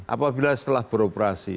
apabila setelah beroperasi